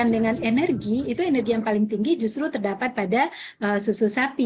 dengan energi itu energi yang paling tinggi justru terdapat pada susu sapi